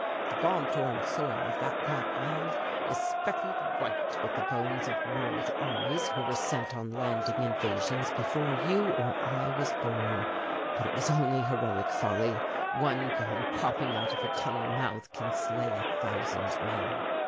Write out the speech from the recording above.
The bomb torn soil of that black land is speckled white with the bones of World armies who were sent on landing invasions before you or I was born. But it was only heroic folly, one gun popping out of a tunnel mouth can slay a thousand men.